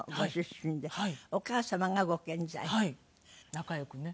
仲良くね。